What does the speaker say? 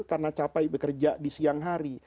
karena capek bekerja di siang hari